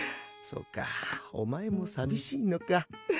そうかお前も寂しいのか。